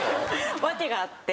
訳があって。